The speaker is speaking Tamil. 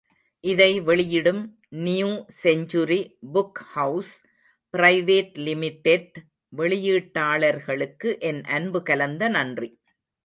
இதை வெளியிடும் New Century Book House Private Limited வெளியீட்டாளர்களுக்கு என் அன்பு கலந்த நன்றி.